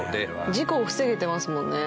事故を防げてますもんね